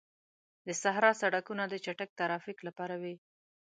د صحرا سړکونه د چټک ترافیک لپاره وي.